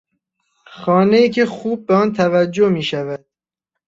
خانهای که خوب به آن توجه میشود